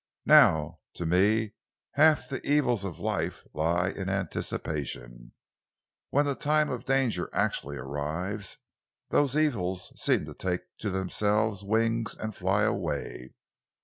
"Now to me half the evils of life lie in anticipation. When the time of danger actually arrives, those evils seem to take to themselves wings and fly away.